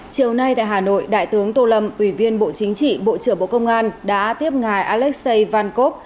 chiều nay tại hà nội đại tướng tô lâm ủy viên bộ chính trị bộ trưởng bộ công an đã tiếp ngài alexei vankov